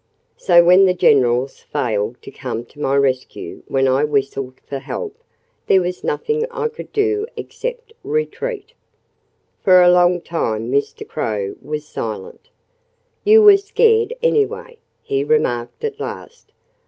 So when the generals failed to come to my rescue when I whistled for help there was nothing I could do except retreat." For a long time Mr. Crow was silent. "You were scared, anyway," he remarked at last.